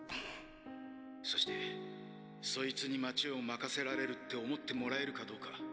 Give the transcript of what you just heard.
そしてそいつに街を任せられるって思ってもらえるかどうか。